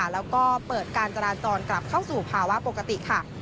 แล้วก็เปิดการจราจรกลับเข้าสู่ภาวะปกติค่ะ